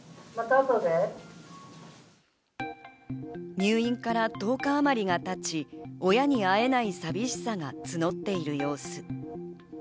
入院から１０日あまりがたち、親に会えない寂しさが募っている様子。